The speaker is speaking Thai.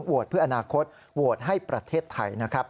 เพื่ออนาคตโหวตให้ประเทศไทยนะครับ